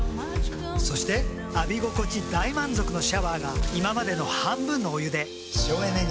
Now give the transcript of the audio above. そして浴び心地大満足のシャワーが今までの半分のお湯で省エネに。